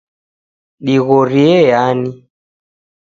dighorie yani